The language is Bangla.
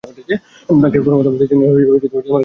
ব্যাংকে কর্মরত অবস্থায় তিনি লেখালেখি শুরু করেন।